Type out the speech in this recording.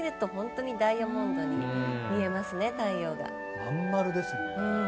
真ん丸ですね。